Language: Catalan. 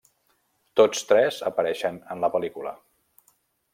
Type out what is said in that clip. Tots tres apareixen en la pel·lícula.